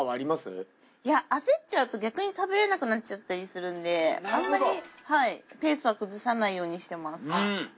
焦っちゃうと逆に食べられなくなっちゃったりするんであんまりペースは崩さないようにしてます。